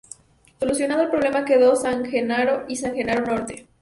Solucionado el problema quedó San Genaro y San Jenaro Norte.